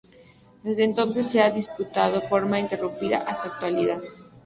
Desde entonces se ha disputado de forma ininterrumpida hasta la actualidad.